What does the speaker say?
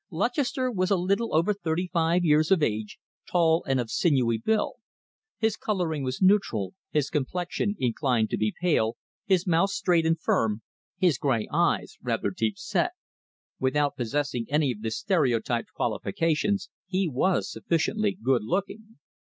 Lutchester was a little over thirty five years of age, tall and of sinewy build. His colouring was neutral, his complexion inclined to be pale, his mouth straight and firm, his grey eyes rather deep set. Without possessing any of the stereotyped qualifications, he was sufficiently good looking.